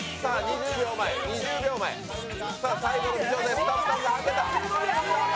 今、２０秒前、最後の微調整スタッフさんがはけた。